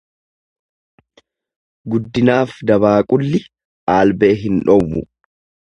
Guddinaaf dabaaqu!li aalbee hin dhoowwu.